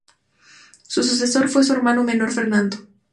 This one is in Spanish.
Su sucesor fue su hermano menor Fernando.